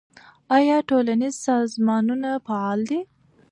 آیا ټولنیز سازمانونه فعال دي؟